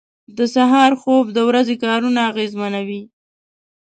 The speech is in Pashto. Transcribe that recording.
• د سهار خوب د ورځې کارونه اغېزمنوي.